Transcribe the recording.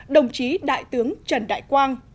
đồng chí đại tướng trần đại quang